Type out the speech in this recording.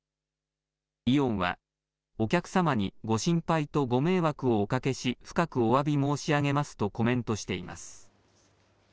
イオンはお客様にご心配とご迷惑をおかけし、深くおわび申し上げますとコメントしています。